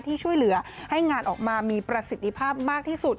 ที่ช่วยเหลือให้งานออกมามีประสิทธิภาพมากที่สุด